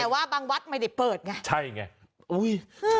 แต่ว่าบางวัดไม่ได้เปิดไงใช่ไงอุ้ย